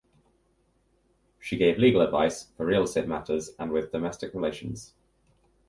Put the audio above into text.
She gave legal advice for real estate matters and with domestic relations.